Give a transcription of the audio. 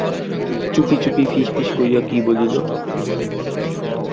চুপি চুপি ফিস ফিস করিয়া কী বলিল।